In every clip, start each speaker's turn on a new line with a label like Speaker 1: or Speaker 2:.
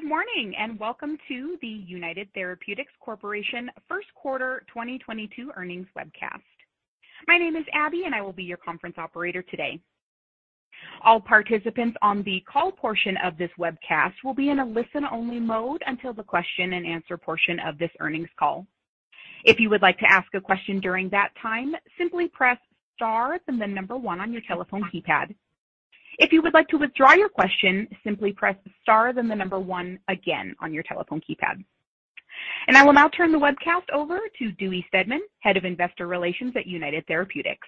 Speaker 1: Good morning, and welcome to the United Therapeutics Corporation First Quarter 2022 Earnings Webcast. My name is Abby, and I will be your conference operator today. All participants on the call portion of this webcast will be in a listen-only mode until the question and answer portion of this earnings call. If you would like to ask a question during that time, simply press star and the number one on your telephone keypad. If you would like to withdraw your question, simply press star, then the number one again on your telephone keypad. I will now turn the webcast over to Dewey Steadman, Head of Investor Relations at United Therapeutics.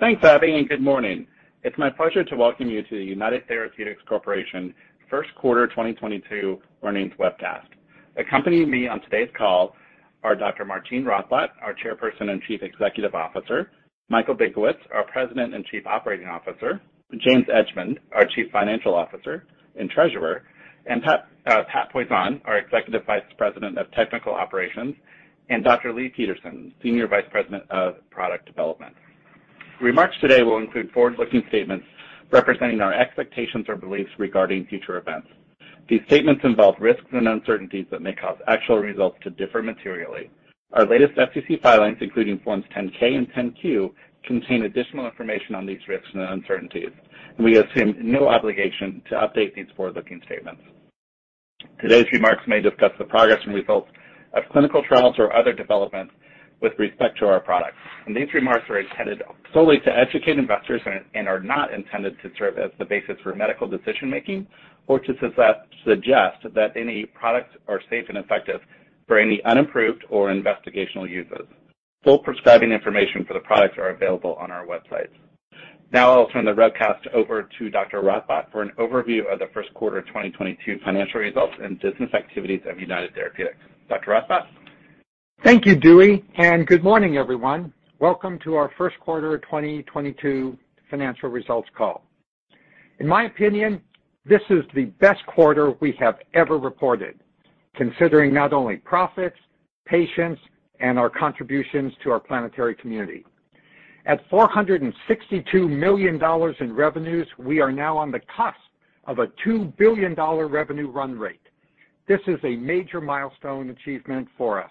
Speaker 2: Thanks, Abby, and good morning. It's my pleasure to welcome you to the United Therapeutics Corporation First Quarter 2022 Earnings Webcast. Accompanying me on today's call are Dr. Martine Rothblatt, our Chairperson and Chief Executive Officer, Michael Benkowitz, our President and Chief Operating Officer, James Edgemond, our Chief Financial Officer and Treasurer, and Pat Poisson, our Executive Vice President of Technical Operations, and Dr. Leigh Peterson, Senior Vice President of Product Development. Remarks today will include forward-looking statements representing our expectations or beliefs regarding future events. These statements involve risks and uncertainties that may cause actual results to differ materially. Our latest SEC filings, including Forms 10-K and 10-Q, contain additional information on these risks and uncertainties, and we assume no obligation to update these forward-looking statements. Today's remarks may discuss the progress and results of clinical trials or other developments with respect to our products, and these remarks are intended solely to educate investors and are not intended to serve as the basis for medical decision-making or to suggest that any products are safe and effective for any unapproved or investigational uses. Full prescribing information for the products are available on our website. Now I'll turn the broadcast over to Dr. Rothblatt for an overview of the first quarter of 2022 financial results and business activities of United Therapeutics. Dr. Rothblatt.
Speaker 3: Thank you, Dewey, and good morning, everyone. Welcome to our first quarter of 2022 financial results call. In my opinion, this is the best quarter we have ever reported, considering not only profits, patients, and our contributions to our planetary community. At $462 million in revenues, we are now on the cusp of a $2 billion revenue run rate. This is a major milestone achievement for us.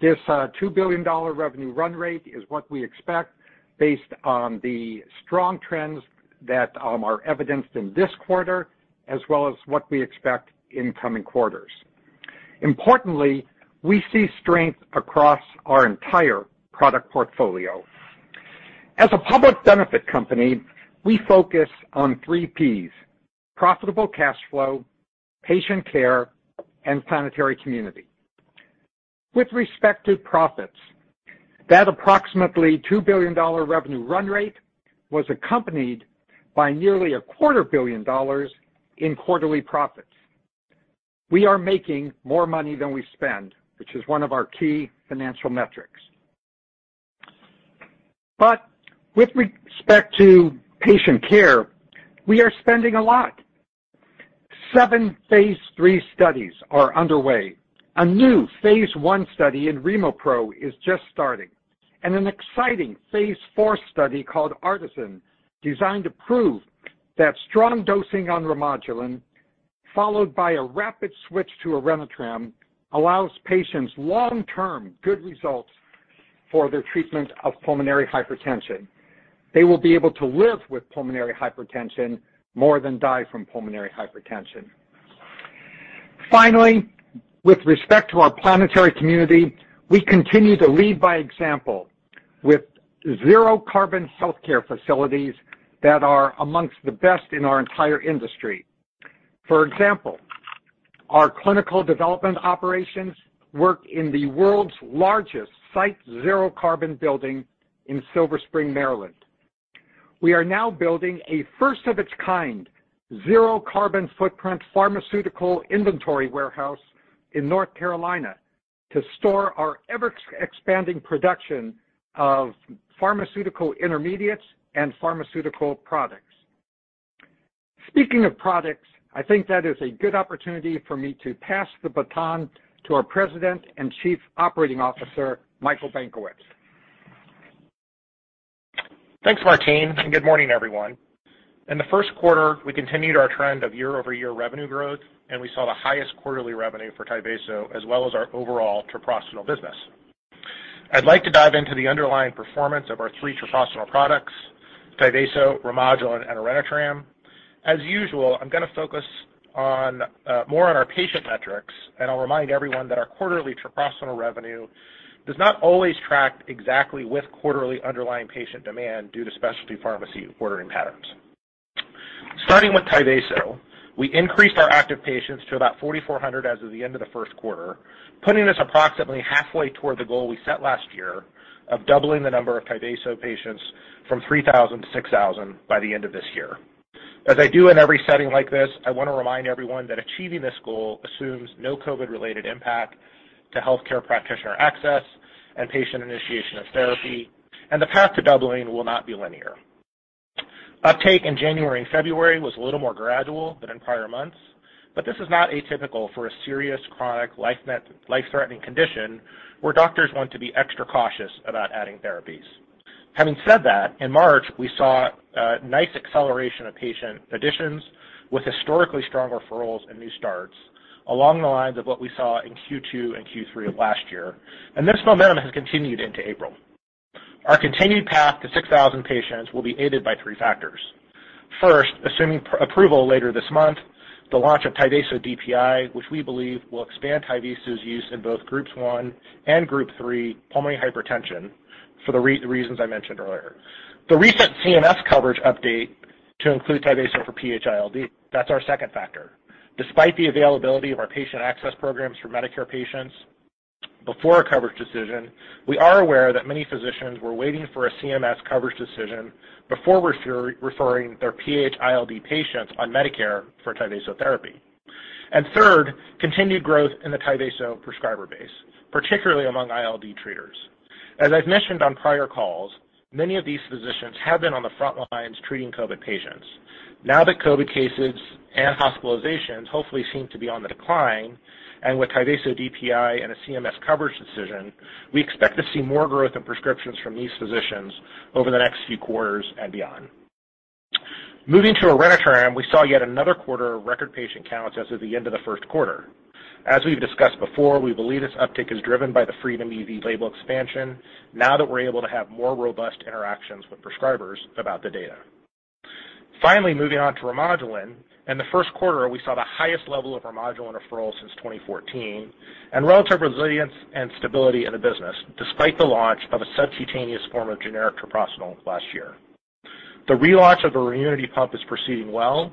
Speaker 3: This $2 billion revenue run rate is what we expect based on the strong trends that are evidenced in this quarter as well as what we expect in coming quarters. Importantly, we see strength across our entire product portfolio. As a public benefit company, we focus on three P's, profitable cash flow, patient care, and planetary community. With respect to profits, that approximately $2 billion revenue run rate was accompanied by nearly $0.25 billion in quarterly profits. We are making more money than we spend, which is one of our key financial metrics. With respect to patient care, we are spending a lot. Seven phase III studies are underway. A new phase I study in RemoPro is just starting. An exciting phase IV study called ARTISAN, designed to prove that strong dosing on Remodulin followed by a rapid switch to Orenitram allows patients long-term good results for their treatment of pulmonary hypertension. They will be able to live with pulmonary hypertension more than die from pulmonary hypertension. Finally, with respect to our planetary community, we continue to lead by example with zero-carbon healthcare facilities that are among the best in our entire industry. For example, our clinical development operations work in the world's largest site zero carbon building in Silver Spring, Maryland. We are now building a first of its kind, zero carbon footprint pharmaceutical inventory warehouse in North Carolina to store our ever-expanding production of pharmaceutical intermediates and pharmaceutical products. Speaking of products, I think that is a good opportunity for me to pass the baton to our President and Chief Operating Officer, Michael Benkowitz.
Speaker 4: Thanks, Martine, and good morning, everyone. In the first quarter, we continued our trend of year-over-year revenue growth, and we saw the highest quarterly revenue for Tyvaso as well as our overall treprostinil business. I'd like to dive into the underlying performance of our three treprostinil products: Tyvaso, Remodulin, and Orenitram. As usual, I'm gonna focus more on our patient metrics, and I'll remind everyone that our quarterly treprostinil revenue does not always track exactly with quarterly underlying patient demand due to specialty pharmacy ordering patterns. Starting with Tyvaso, we increased our active patients to about 4,400 as of the end of the first quarter, putting us approximately halfway toward the goal we set last year of doubling the number of Tyvaso patients from 3,000 to 6,000 by the end of this year. As I do in every setting like this, I wanna remind everyone that achieving this goal assumes no COVID-related impact to healthcare practitioner access and patient initiation of therapy, and the path to doubling will not be linear. Uptake in January and February was a little more gradual than in prior months. This is not atypical for a serious chronic life-threatening condition where doctors want to be extra cautious about adding therapies. Having said that, in March, we saw a nice acceleration of patient additions with historically strong referrals and new starts along the lines of what we saw in Q2 and Q3 of last year, and this momentum has continued into April. Our continued path to 6,000 patients will be aided by three factors. First, assuming approval later this month, the launch of Tyvaso DPI, which we believe will expand Tyvaso's use in both Groups One and Group Three pulmonary hypertension for the reasons I mentioned earlier. The recent CMS coverage update to include Tyvaso for PH-ILD, that's our second factor. Despite the availability of our patient access programs for Medicare patients before a coverage decision, we are aware that many physicians were waiting for a CMS coverage decision before referring their PH-ILD patients on Medicare for Tyvaso therapy. Third, continued growth in the Tyvaso prescriber base, particularly among ILD treaters. As I've mentioned on prior calls, many of these physicians have been on the front lines treating COVID patients. Now that COVID cases and hospitalizations hopefully seem to be on the decline, and with Tyvaso DPI and a CMS coverage decision, we expect to see more growth in prescriptions from these physicians over the next few quarters and beyond. Moving to Orenitram, we saw yet another quarter of record patient counts as of the end of the first quarter. As we've discussed before, we believe this uptick is driven by the FREEDOM-EV label expansion now that we're able to have more robust interactions with prescribers about the data. Finally, moving on to Remodulin. In the first quarter, we saw the highest level of Remodulin referrals since 2014 and relative resilience and stability in the business despite the launch of a subcutaneous form of generic treprostinil last year. The relaunch of the Remunity pump is proceeding well,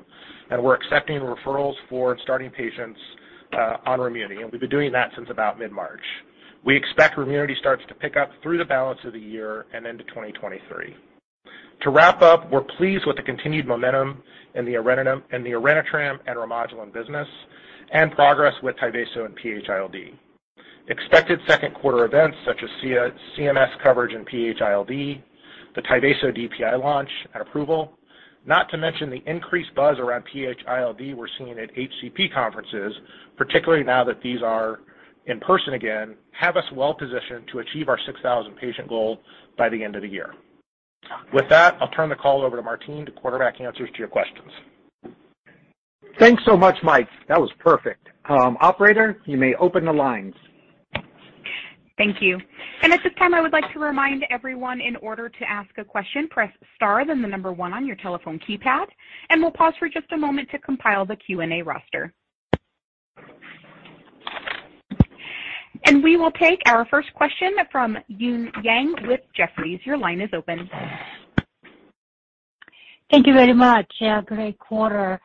Speaker 4: and we're accepting referrals for starting patients on Remunity, and we've been doing that since about mid-March. We expect Remunity starts to pick up through the balance of the year and into 2023. To wrap up, we're pleased with the continued momentum in the Orenitram and Remodulin business and progress with Tyvaso and PH-ILD. Expected second quarter events such as CMS coverage in PH-ILD, the Tyvaso DPI launch and approval, not to mention the INCREASE buzz around PH-ILD we're seeing at HCP conferences, particularly now that these are in person again, have us well positioned to achieve our 6,000 patient goal by the end of the year. With that, I'll turn the call over to Martine to quarterback answers to your questions.
Speaker 3: Thanks so much, Mike. That was perfect. Operator, you may open the lines.
Speaker 1: Thank you. At this time, I would like to remind everyone in order to ask a question, press star, then the number one on your telephone keypad, and we'll pause for just a moment to compile the Q&A roster. We will take our first question from Eun Yang with Jefferies. Your line is open.
Speaker 5: Thank you very much. Yeah, great quarter.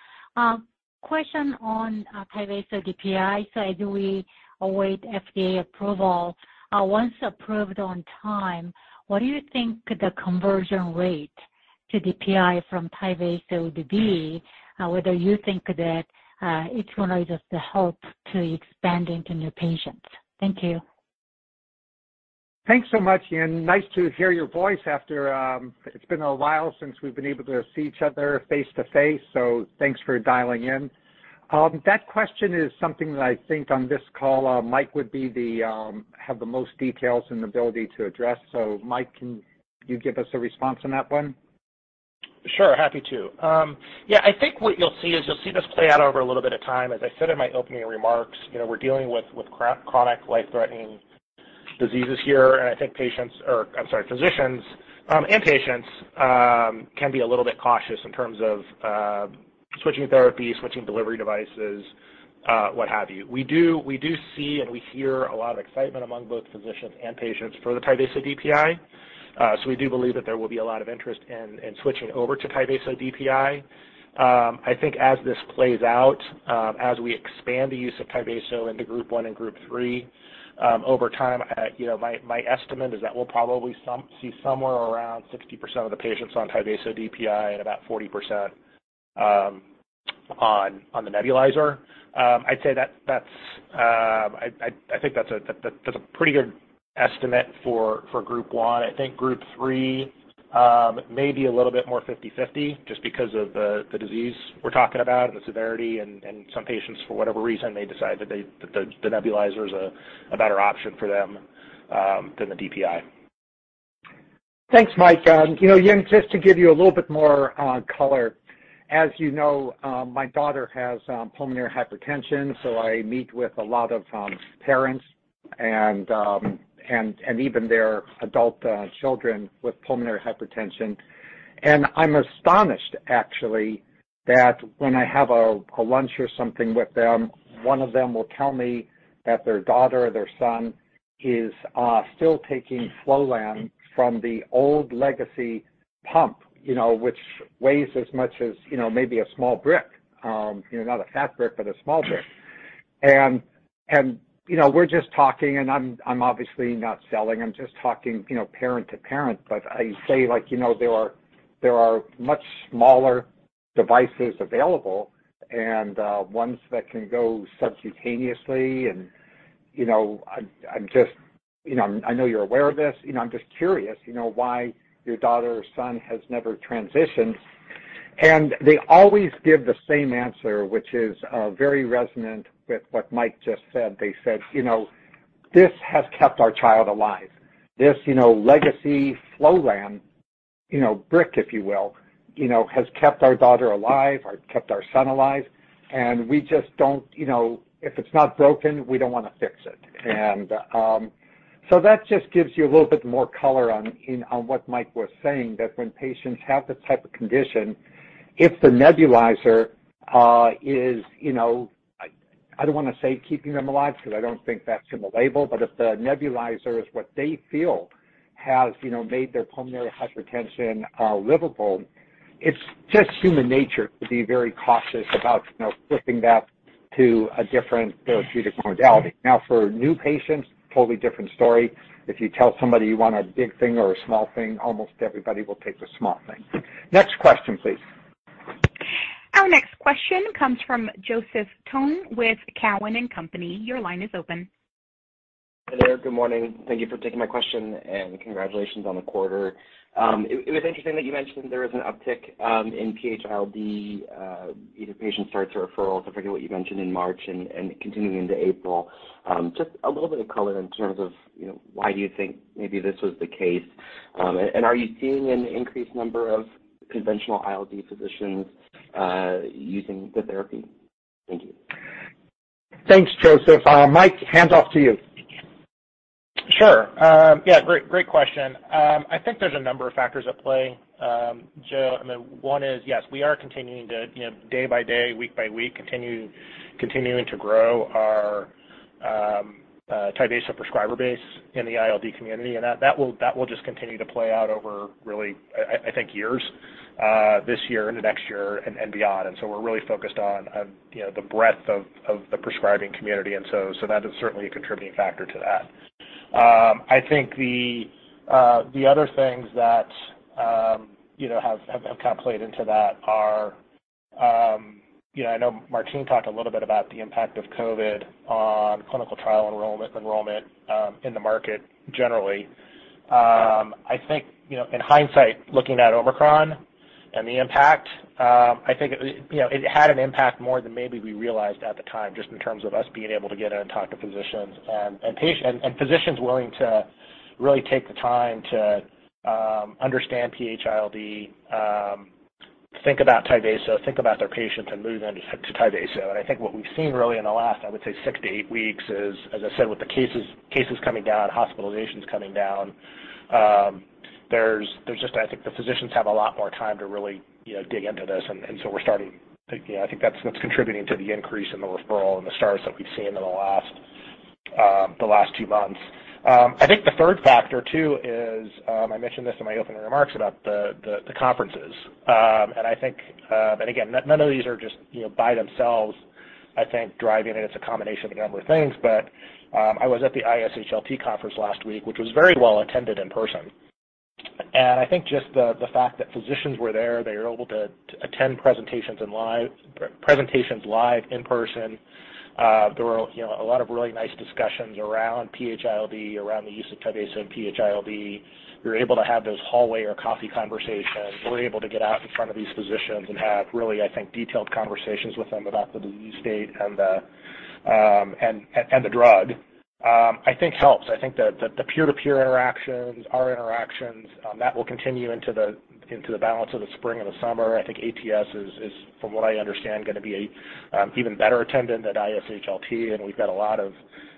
Speaker 5: Question on Tyvaso DPI. As we await FDA approval, once approved on time, what do you think the conversion rate to DPI from Tyvaso would be? Whether you think that it's gonna just help to expand into new patients. Thank you.
Speaker 3: Thanks so much, Eun. Nice to hear your voice after it's been a while since we've been able to see each other face-to-face, so thanks for dialing in. That question is something that I think on this call, Mike would have the most details and ability to address. Mike, can you give us a response on that one?
Speaker 4: Sure. Happy to. Yeah, I think what you'll see is you'll see this play out over a little bit of time. As I said in my opening remarks, you know, we're dealing with chronic life-threatening diseases here, and I think patients or, I'm sorry, physicians and patients can be a little bit cautious in terms of switching therapy, switching delivery devices, what have you. We do see and we hear a lot of excitement among both physicians and patients for the Tyvaso DPI. So we do believe that there will be a lot of interest in switching over to Tyvaso DPI. I think as this plays out, as we expand the use of Tyvaso into Group One and Group Three, over time, you know, my estimate is that we'll probably see somewhere around 60% of the patients on Tyvaso DPI and about 40% on the nebulizer. I'd say that's. I think that's a pretty good estimate for Group One. I think Group Three may be a little bit more 50/50 just because of the disease we're talking about and the severity and some patients, for whatever reason, may decide that the nebulizer is a better option for them than the DPI.
Speaker 3: Thanks, Mike. You know, Eun, just to give you a little bit more color. As you know, my daughter has pulmonary hypertension, so I meet with a lot of parents and even their adult children with pulmonary hypertension. I'm astonished actually that when I have a lunch or something with them, one of them will tell me that their daughter or their son is still taking Flolan from the old legacy pump, you know, which weighs as much as, you know, maybe a small brick. You know, not a fat brick, but a small brick. You know, we're just talking and I'm obviously not selling, I'm just talking, you know, parent to parent. I say, like, you know, there are much smaller devices available and ones that can go subcutaneously and you know, I'm just, you know, I know you're aware of this, you know, I'm just curious, you know, why your daughter or son has never transitioned. They always give the same answer, which is very resonant with what Mike just said. They said, "You know, this has kept our child alive. This, you know, legacy Flolan, you know, brick, if you will, you know, has kept our daughter alive or kept our son alive, and we just don't, you know, if it's not broken, we don't wanna fix it." So that just gives you a little bit more color on what Mike was saying, that when patients have this type of condition, if the nebulizer is, you know, I don't wanna say keeping them alive 'cause I don't think that's in the label, but if the nebulizer is what they feel has, you know, made their pulmonary hypertension livable, it's just human nature to be very cautious about, you know, flipping that to a different therapeutic modality. Now, for new patients, totally different story. If you tell somebody you want a big thing or a small thing, almost everybody will take the small thing. Next question, please.
Speaker 1: Our next question comes from Joseph Thome with Cowen and Company. Your line is open.
Speaker 6: Hi there. Good morning. Thank you for taking my question, and congratulations on the quarter. It was interesting that you mentioned there was an uptick in PH-ILD, either patient starts or referrals, I forget what you mentioned in March and continuing into April. Just a little bit of color in terms of, you know, why do you think maybe this was the case? Are you seeing an increasing number of conventional ILD physicians using the therapy? Thank you.
Speaker 3: Thanks, Joseph. Mike, hand off to you.
Speaker 4: Sure. Yeah, great question. I think there's a number of factors at play, Joe. I mean, one is, yes, we are continuing to, you know, day by day, week by week, continuing to grow our Tyvaso prescriber base in the ILD community, and that will just continue to play out over really, I think, years, this year into next year and beyond. We're really focused on, you know, the breadth of the prescribing community, and so that is certainly a contributing factor to that. I think the other things that, you know, have kind of played into that are, you know, I know Martine talked a little bit about the impact of COVID on clinical trial enrollment in the market generally. I think, you know, in hindsight, looking at Omicron and the impact, I think, you know, it had an impact more than maybe we realized at the time, just in terms of us being able to get in and talk to physicians and physicians willing to really take the time to understand PH-ILD, think about Tyvaso, think about their patients and move them to Tyvaso. I think what we've seen really in the last, I would say six-eight weeks is, as I said, with the cases coming down, hospitalizations coming down, there's just I think the physicians have a lot more time to really, you know, dig into this. We're starting to. Yeah, I think that's what's contributing to the increase in the referral and the starts that we've seen in the last two months. I think the third factor too is, I mentioned this in my opening remarks about the conferences. I think again, none of these are just, you know, by themselves, I think, driving it. It's a combination of a number of things. I was at the ISHLT conference last week, which was very well attended in person. I think just the fact that physicians were there, they were able to attend presentations live in person. There were, you know, a lot of really nice discussions around PH-ILD, around the use of Tyvaso in PH-ILD. We were able to have those hallway or coffee conversations. We were able to get out in front of these physicians and have really, I think, detailed conversations with them about the use case and the drug, I think, helps. I think the peer-to-peer interactions, our interactions that will continue into the balance of the spring and the summer. I think ATS is, from what I understand, gonna be even better attended at ISHLT, and we've got a lot of,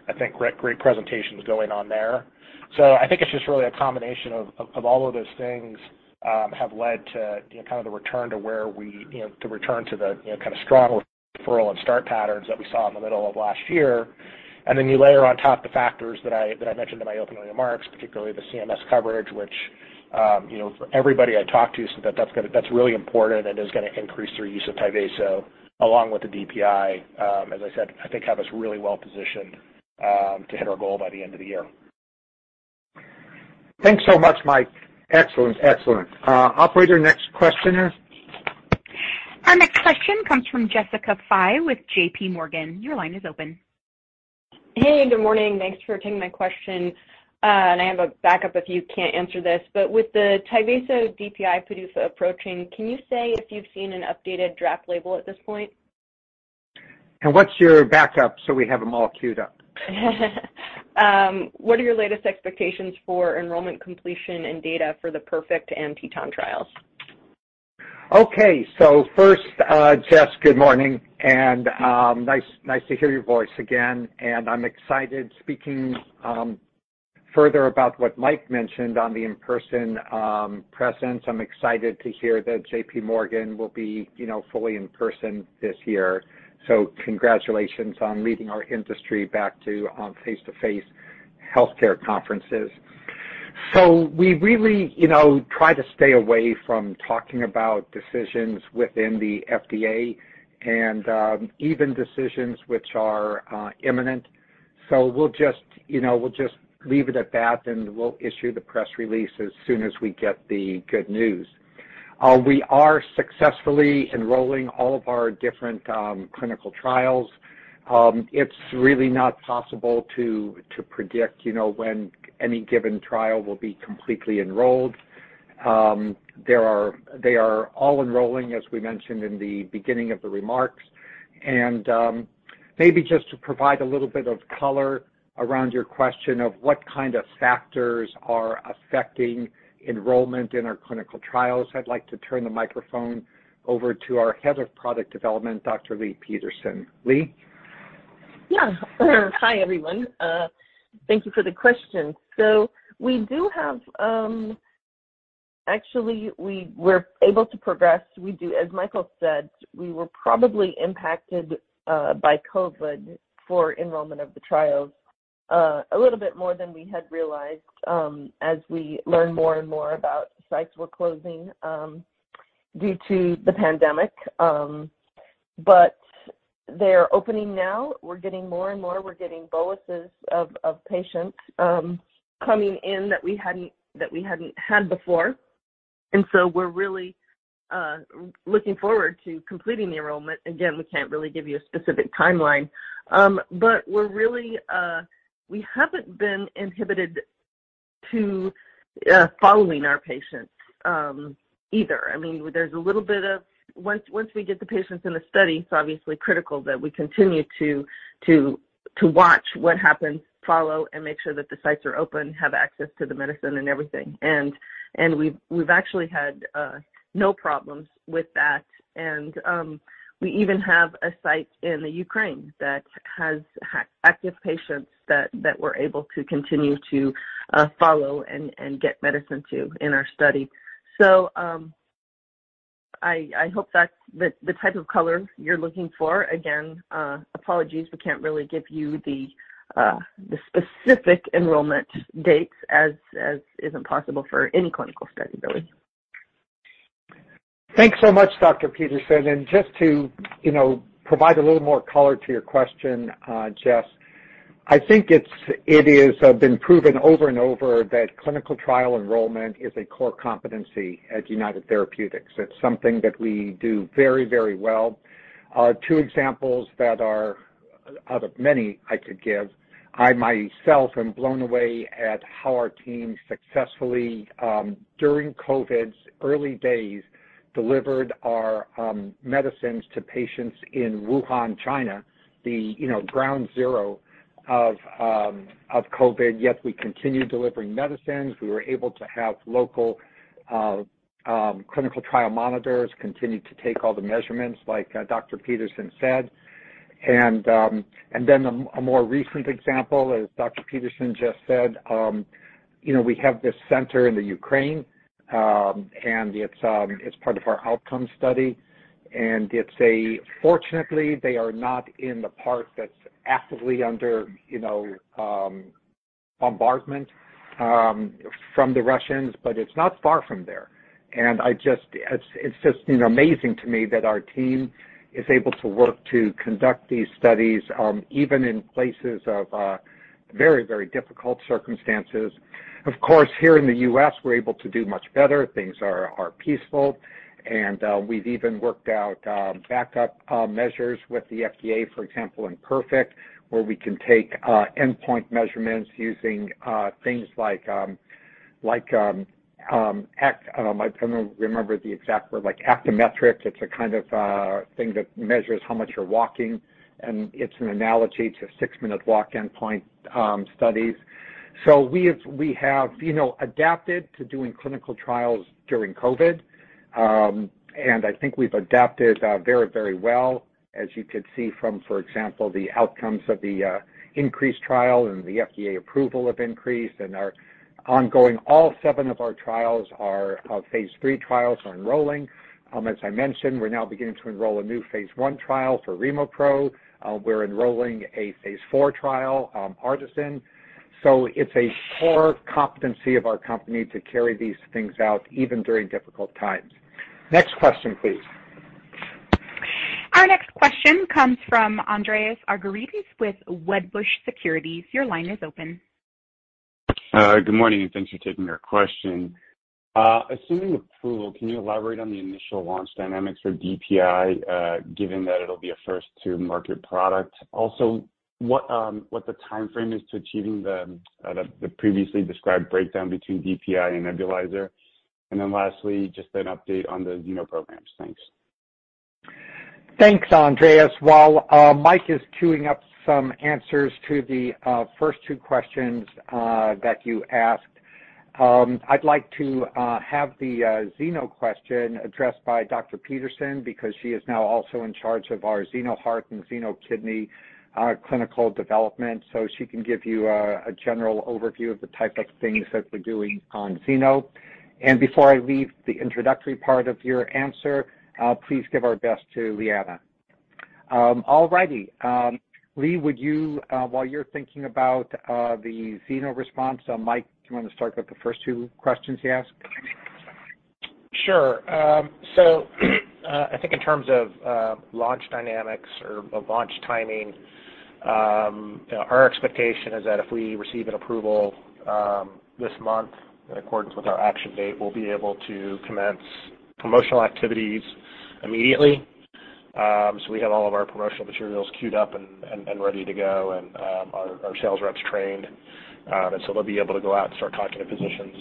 Speaker 4: I think, great presentations going on there. I think it's just really a combination of all of those things have led to, you know, kind of the return to where we, you know, kind of strong referral and start patterns that we saw in the middle of last year. You layer on top the factors that I mentioned in my opening remarks, particularly the CMS coverage, which, you know, everybody I talked to said that that's really important and is gonna increase their use of Tyvaso along with the DPI, as I said, I think have us really well positioned, to hit our goal by the end of the year.
Speaker 3: Thanks so much, Mike. Excellent. Operator, next questioner.
Speaker 1: Our next question comes from Jessica Fye with JPMorgan. Your line is open.
Speaker 7: Hey, good morning. Thanks for taking my question. I have a backup if you can't answer this. With the Tyvaso DPI PDUFA approaching, can you say if you've seen an updated draft label at this point?
Speaker 3: What's your backup so we have them all queued up?
Speaker 7: What are your latest expectations for enrollment completion and data for the PERFECT and TETON trials?
Speaker 3: Okay. First, Jess, good morning, and nice to hear your voice again. I'm excited speaking further about what Mike mentioned on the in-person presence. I'm excited to hear that JPMorgan will be, you know, fully in person this year. Congratulations on leading our industry back to face-to-face healthcare conferences. We really, you know, try to stay away from talking about decisions within the FDA and even decisions which are imminent. We'll just, you know, we'll just leave it at that, and we'll issue the press release as soon as we get the good news. We are successfully enrolling all of our different clinical trials. It's really not possible to predict, you know, when any given trial will be completely enrolled. They are all enrolling, as we mentioned in the beginning of the remarks. Maybe just to provide a little bit of color around your question of what kind of factors are affecting enrollment in our clinical trials, I'd like to turn the microphone over to our Head of Product Development, Dr. Leigh Peterson. Leigh?
Speaker 8: Hi, everyone. Thank you for the question. We do have. Actually, we're able to progress. As Michael said, we were probably impacted by COVID for enrollment of the trials a little bit more than we had realized, as we learn more and more about sites were closing due to the pandemic. They're opening now. We're getting more and more. We're getting boluses of patients coming in that we hadn't had before. We're really looking forward to completing the enrollment. Again, we can't really give you a specific timeline. We're really we haven't been inhibited to following our patients either. I mean, once we get the patients in the study, it's obviously critical that we continue to watch what happens, follow, and make sure that the sites are open, have access to the medicine and everything. We've actually had no problems with that. We even have a site in the Ukraine that has active patients that we're able to continue to follow and get medicine to in our study. I hope that's the type of color you're looking for. Again, apologies, we can't really give you the specific enrollment dates as is impossible for any clinical study, really.
Speaker 3: Thanks so much, Dr. Peterson. Just to, you know, provide a little more color to your question, Jess, I think it is been proven over and over that clinical trial enrollment is a core competency at United Therapeutics. It's something that we do very, very well. Two examples that are out of many I could give, I myself am blown away at how our team successfully during COVID's early days delivered our medicines to patients in Wuhan, China, the, you know, ground zero of of COVID, yet we continued delivering medicines. We were able to have local clinical trial monitors continue to take all the measurements like Dr. Peterson said. Then a more recent example, as Dr. Peterson just said, you know, we have this center in the Ukraine, and it's part of our outcome study. Fortunately, they are not in the part that's actively under, you know, bombardment from the Russians, but it's not far from there. It's just, you know, amazing to me that our team is able to work to conduct these studies even in places of very, very difficult circumstances. Of course, here in the U.S., we're able to do much better. Things are peaceful. We've even worked out backup measures with the FDA, for example, in PERFECT, where we can take endpoint measurements using things like I can't remember the exact word, like actigraphy. It's a kind of thing that measures how much you're walking, and it's an analogy to six-minute walk endpoint studies. We have, you know, adapted to doing clinical trials during COVID, and I think we've adapted very, very well, as you could see from, for example, the outcomes of the INCREASE trial and the FDA approval of INCREASE and all seven of our ongoing phase III trials are enrolling. As I mentioned, we're now beginning to enroll a new phase I trial for RemoPro. We're enrolling a phase IV trial, ARTISAN. It's a core competency of our company to carry these things out even during difficult times. Next question, please.
Speaker 1: Our next question comes from Andreas Argyrides with Wedbush Securities. Your line is open.
Speaker 9: Good morning, and thanks for taking our question. Assuming approval, can you elaborate on the initial launch dynamics for DPI, given that it'll be a first-to-market product? Also, what the timeframe is to achieving the previously described breakdown between DPI and nebulizer. Lastly, just an update on the Xeno programs. Thanks.
Speaker 3: Thanks, Andreas. While Mike is queuing up some answers to the first two questions that you asked, I'd like to have the Xeno question addressed by Dr. Peterson because she is now also in charge of our UHeart and UKidney clinical development, so she can give you a general overview of the type of things that we're doing on Xeno. Before I leave the introductory part of your answer, please give our best to Liana. All righty. Leigh, would you while you're thinking about the Xeno response, Mike, do you wanna start with the first two questions he asked?
Speaker 4: Sure. I think in terms of launch dynamics or launch timing Our expectation is that if we receive an approval this month in accordance with our action date, we'll be able to commence promotional activities immediately. We have all of our promotional materials cued up and ready to go and our sales reps trained. They'll be able to go out and start talking to physicians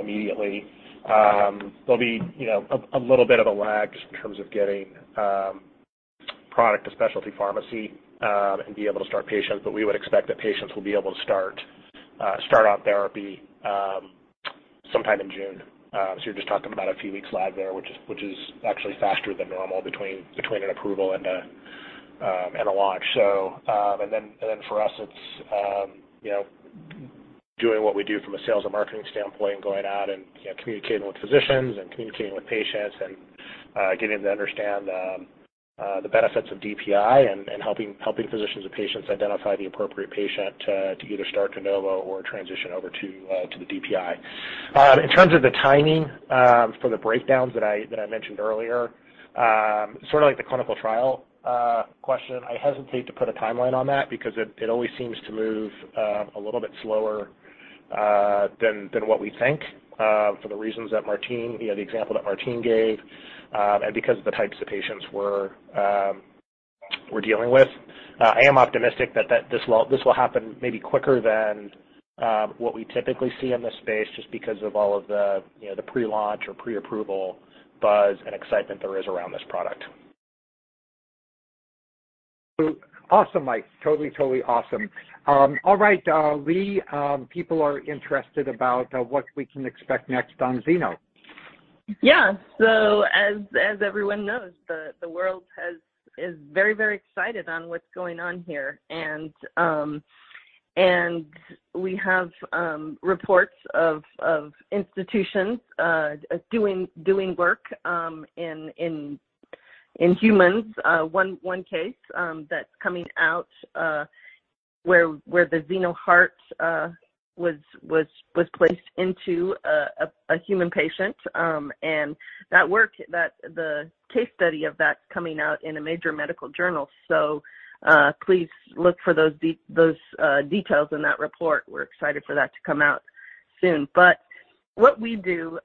Speaker 4: immediately. There'll be, you know, a little bit of a lag just in terms of getting product to specialty pharmacy and be able to start patients, but we would expect that patients will be able to start out therapy sometime in June. You're just talking about a few weeks lag there, which is actually faster than normal between an approval and a launch. For us, it's you know, doing what we do from a sales and marketing standpoint, going out and you know, communicating with physicians and communicating with patients and getting them to understand the benefits of DPI and helping physicians and patients identify the appropriate patient to either start de novo or transition over to the DPI. In terms of the timing, for the breakdowns that I mentioned earlier, sort of like the clinical trial question. I hesitate to put a timeline on that because it always seems to move a little bit slower than what we think for the reasons that Martine, you know, the example that Martine gave, and because of the types of patients we're dealing with. I am optimistic that this will happen maybe quicker than what we typically see in this space just because of all of the, you know, the pre-launch or pre-approval buzz and excitement there is around this product.
Speaker 3: Awesome, Mike. Totally awesome. All right, Leigh, people are interested about what we can expect next on Xeno.
Speaker 8: Yeah. As everyone knows, the world is very, very excited about what's going on here. We have reports of institutions doing work in humans. One case that's coming out where the xenoheart was placed into a human patient. The case study of that is coming out in a major medical journal. Please look for those details in that report. We're excited for that to come out soon. What we do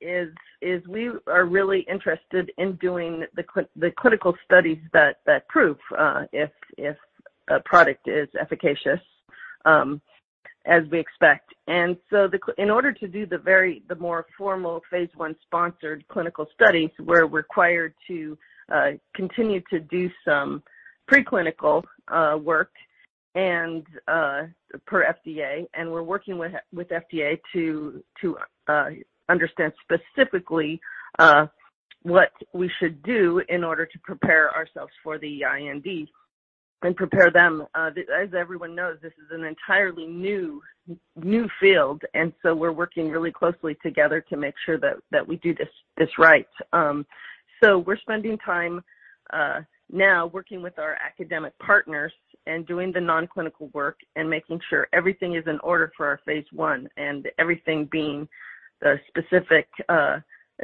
Speaker 8: is we are really interested in doing the clinical studies that prove if a product is efficacious as we expect. In order to do the more formal phase I sponsored clinical studies, we're required to continue to do some pre-clinical work and, per FDA, we're working with FDA to understand specifically what we should do in order to prepare ourselves for the IND and prepare them. As everyone knows, this is an entirely new field, and we're working really closely together to make sure that we do this right. We're spending time now working with our academic partners and doing the non-clinical work and making sure everything is in order for our phase one and everything being the specific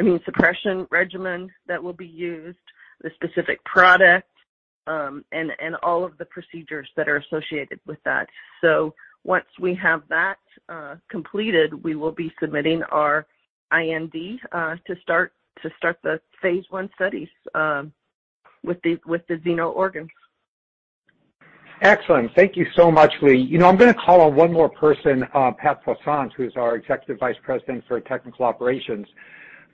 Speaker 8: immunosuppression regimen that will be used, the specific product, and all of the procedures that are associated with that. Once we have that completed, we will be submitting our IND to start the phase I studies with the xeno organs.
Speaker 3: Excellent. Thank you so much, Leigh. You know, I'm gonna call on one more person, Patrick Poisson, who's our Executive Vice President for Technical Operations.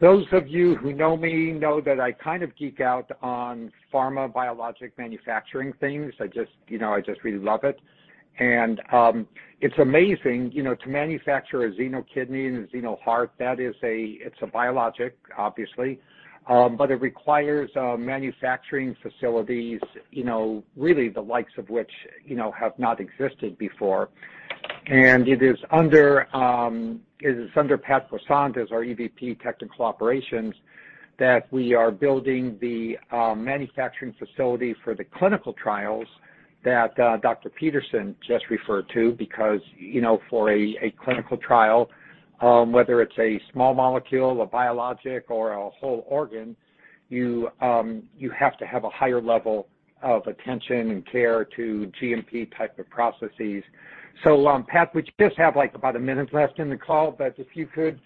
Speaker 3: Those of you who know me know that I kind of geek out on pharma biologic manufacturing things. I just, you know, I just really love it. It's amazing, you know, to manufacture a xeno kidney and a xeno heart. That is a biologic, obviously. But it requires manufacturing facilities, you know, really the likes of which, you know, have not existed before. It is under Patrick Poisson as our EVP Technical Operations that we are building the manufacturing facility for the clinical trials that Dr. Peterson just referred to. Because, you know, for a clinical trial, whether it's a small molecule, a biologic or a whole organ, you have to have a higher level of attention and care to GMP type of processes. Pat, we just have, like, about a minute left in the call, but if you could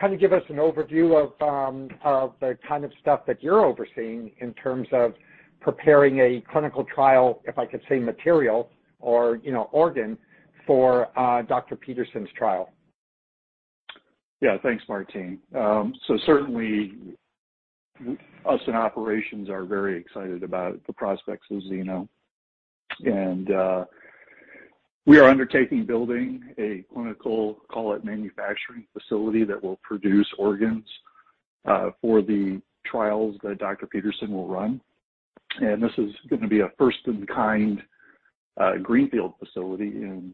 Speaker 3: kind of give us an overview of the kind of stuff that you're overseeing in terms of preparing a clinical trial, if I could say material or, you know, organ for Dr. Peterson's trial.
Speaker 10: Yeah. Thanks, Martine. Certainly us in operations are very excited about the prospects of Xeno. We are undertaking building a clinical, call it manufacturing facility that will produce organs, for the trials that Dr. Peterson will run. This is gonna be a first in kind, greenfield facility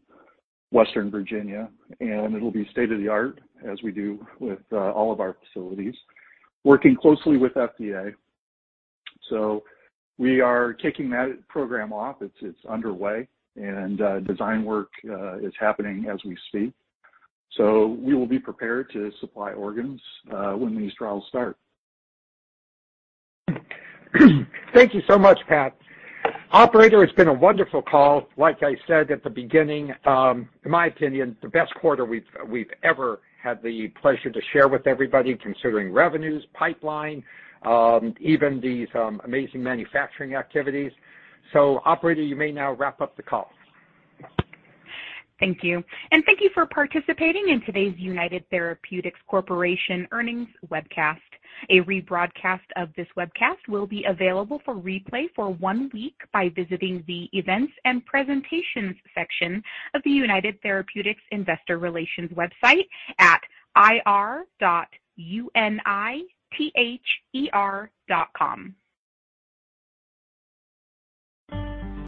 Speaker 10: in western Virginia, and it'll be state-of-the-art as we do with all of our facilities, working closely with FDA. We are kicking that program off. It's underway and design work is happening as we speak. We will be prepared to supply organs, when these trials start.
Speaker 3: Thank you so much, Pat. Operator, it's been a wonderful call. Like I said at the beginning, in my opinion, the best quarter we've ever had the pleasure to share with everybody, considering revenues, pipeline, even these amazing manufacturing activities. Operator, you may now wrap up the call.
Speaker 1: Thank you. Thank you for participating in today's United Therapeutics Corporation earnings webcast. A rebroadcast of this webcast will be available for replay for one week by visiting the Events and Presentations section of the United Therapeutics Investor Relations website at ir.unither.com.